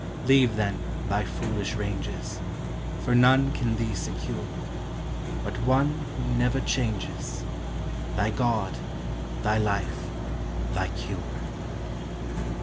Leave, then, thy foolish ranges; For none can thee secure, But one who never changes Thy God, thy life, thy cure.